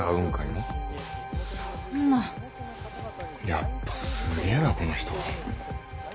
やっぱすげえなこの人。